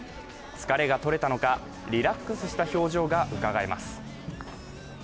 疲れが取れたのか、リラックスした表情がうかがえます。